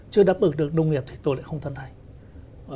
chưa đáp ứng được nông nghiệp thì tôi lại không thân thành